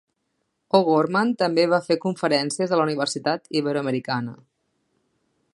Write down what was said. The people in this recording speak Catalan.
O'Gorman també va fer conferències a la Universitat Iberoamericana.